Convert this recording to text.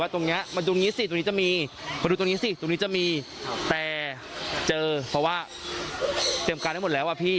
ตรงนี้ดูนี่ก็มีจะมีแต่เจอเพราะว่าเตรียมการได้หมดแล้ว